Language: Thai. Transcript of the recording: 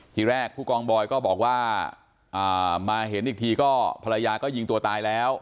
ทีแรกผู้กองบอยก็บอกว่ามาเห็นอีกทีก็ภรรยาก็ยิงตัวตายแล้ว